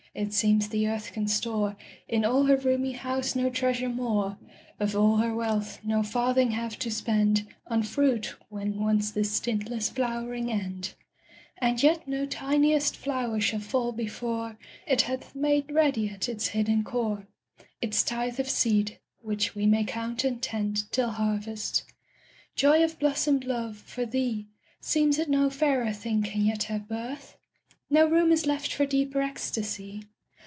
it seems the earth can store In all her roomy house no treasure more; Of all her wealth no farthing have to spend On fruit, when once this stintless flowering end. And yet no tiniest flower shall fall before It hath made ready at its hidden core Its tithe of seed, which we may count and tend Till harvest. Joy of blossomed love, for thee Seems it no fairer thing can yet have birth? No room is left for deeper ecstasy?